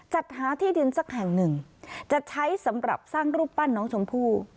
จัดหาที่ดินสักแห่งหนึ่งจะใช้สำหรับสร้างรูปปั้นน้องชมพู่